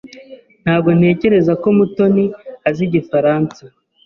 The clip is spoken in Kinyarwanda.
Ntabwo ntekereza ko Mutoni azi Igifaransa.